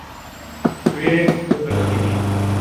Tu yê bibiriqînî.